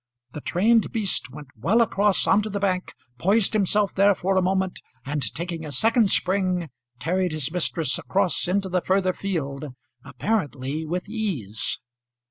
The trained beast went well across on to the bank, poised himself there for a moment, and taking a second spring carried his mistress across into the further field apparently with ease.